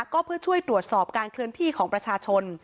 ก็เพื่อช่วยตรวจสอบการเคลื่อนที่ของประชาชน